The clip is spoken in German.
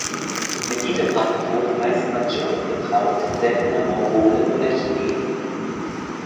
Mit diesem Amt wurden meist Mandschuren betraut, seltener Mongolen oder Chinesen.